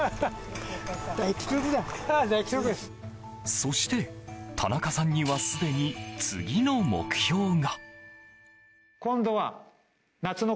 そして、田中さんにはすでに次の目標が。